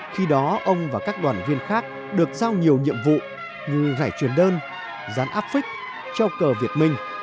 khi đó ông và các đoàn viên khác được giao nhiều nhiệm vụ như rải truyền đơn dán áp phích trao cờ việt minh